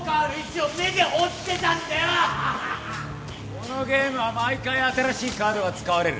このゲームは毎回新しいカードが使われる。